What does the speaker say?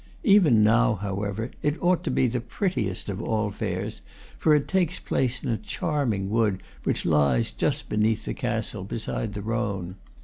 Even now, however, it ought to be the prettiest of all fairs, for it takes place in a charming wood which lies just beneath the castle, beside the Rhone.